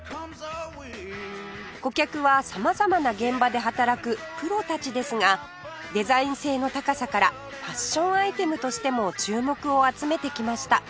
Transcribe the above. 顧客は様々な現場で働くプロたちですがデザイン性の高さからファッションアイテムとしても注目を集めてきました